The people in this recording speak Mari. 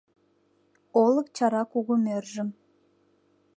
Олык чара кугымӧржым